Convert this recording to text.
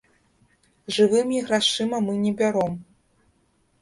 Жывымі грашыма мы не бяром.